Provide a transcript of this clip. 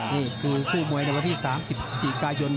นี่คือคู่มวยในวันที่๓๐พฤศจิกายน